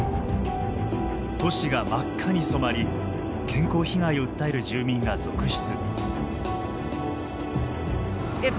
都市が真っ赤に染まり健康被害を訴える住民が続出。